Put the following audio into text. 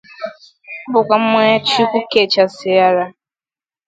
ọ bụkwa mmanya chukwu kechasịara